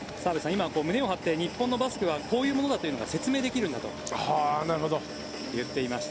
今、胸を張って日本のバスケはこういうものだというのが説明できるんだと言っていました。